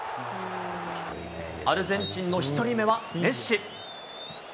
アルゼンチンの１人目はメッシ。